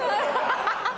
ハハハ！